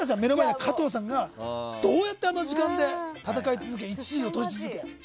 加藤さんがどうやってあの時間で戦い続けて１位を取り続けたか。